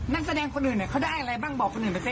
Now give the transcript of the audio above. นักแสดงคนอื่นเขาได้อะไรบ้างบอกคนอื่นไปสิ